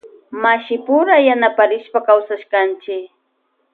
Mashipura yanaparishpa kawsashkanchi.